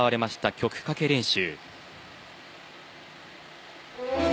曲かけ練習。